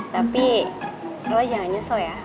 tapi lo jangan nyesel ya